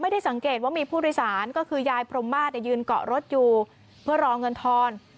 ได้สังเกตว่ามีผู้โดยสารก็คือยายพรมมาศยืนเกาะรถอยู่เพื่อรอเงินทอน